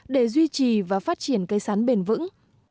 để duy trì và phát triển cây sắn bền vững